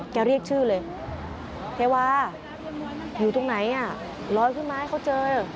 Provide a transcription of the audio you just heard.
เรียกชื่อเลยเทวาอยู่ตรงไหนอ่ะลอยขึ้นมาให้เขาเจอ